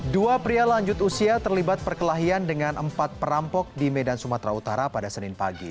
dua pria lanjut usia terlibat perkelahian dengan empat perampok di medan sumatera utara pada senin pagi